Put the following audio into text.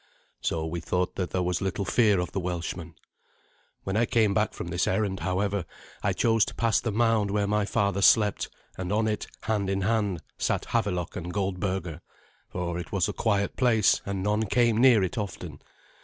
So we thought that there was little fear of the Welshman. When I came back from this errand, however, I chose to pass the mound where my father slept, and on it, hand in hand, sat Havelok and Goldberga for it was a quiet place, and none came near it often.